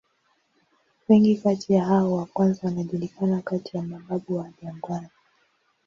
Wengi kati ya hao wa kwanza wanajulikana kati ya "mababu wa jangwani".